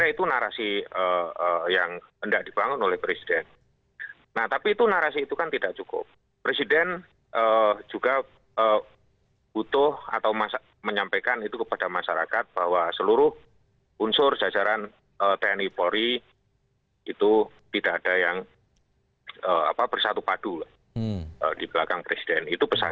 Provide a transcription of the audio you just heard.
inisiatif itu tentunya harusnya dari presiden